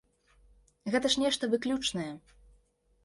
Гэта ж нешта выключнае.